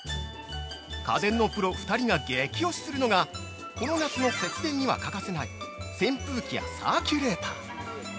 ◆家電のプロ２人が激推しするのが、この夏の節電には欠かせない扇風機やサーキュレーター！